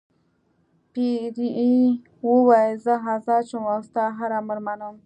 پیري وویل زه آزاد شوم او ستا هر امر منم.